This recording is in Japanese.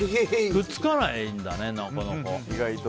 くっつかないんだね、なかなか。